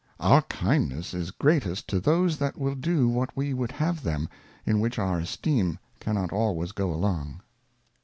Our Kindness is greatest to those that will do what we would have them, in which our Esteem cannot always go along.